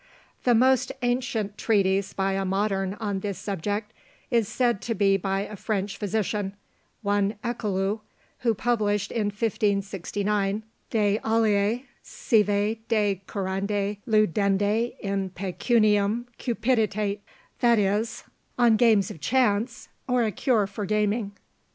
The most ancient treatise by a modern on this subject, is said to be by a French physician, one Eckeloo, who published in 1569, De Aleâ, sive de curandâ Ludendi in Pecuniam cupiditate, that is, "On games of chance, or a cure for gaming."